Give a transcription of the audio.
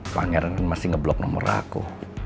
pangeran masih ngeblok nomor aku